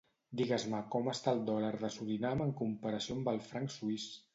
Digues-me com està el dòlar de Surinam en comparació amb el franc suís.